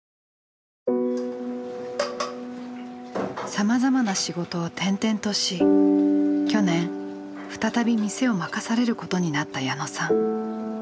さまざまな仕事を転々とし去年再び店を任されることになった矢野さん。